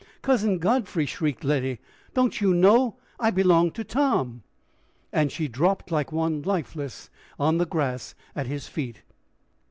"Cousin Godfrey!" shrieked Letty, "don't you know I belong to Tom?" And she dropped like one lifeless on the grass at his feet.